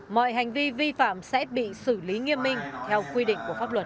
mọi hành vi vi phạm sẽ bị xử lý nghiêm minh theo quy định của pháp luật